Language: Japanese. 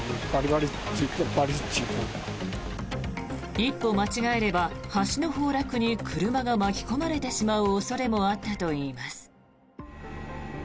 一歩間違えれば橋の崩落に車が巻き込まれてしまう恐れもあったといいます。